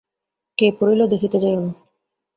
কে পড়িল দেখিতে যাইও না।